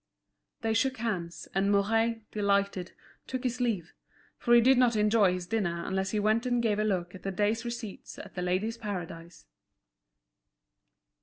They shook hands, and Mouret, delighted, took his leave, for he did not enjoy his dinner unless he went and gave a look at the day's receipts at The Ladies' Paradise.